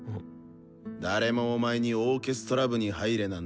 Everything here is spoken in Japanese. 誰もお前にオーケストラ部に入れなんて言ってないぞ。